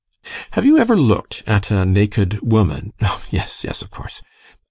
Have you ever looked at a naked woman oh yes, yes, of course!